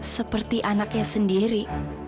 seperti anaknya sendiri